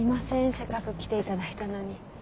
せっかく来ていただいたのに。